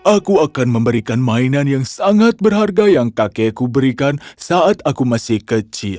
aku akan memberikan mainan yang sangat berharga yang kakekku berikan saat aku masih kecil